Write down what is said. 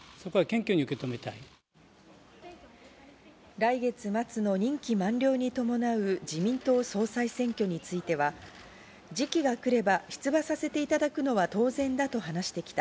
来月末の任期満了に伴う自民党総裁選挙については、時期が来れば出馬させていただくのは当然だと話してきた。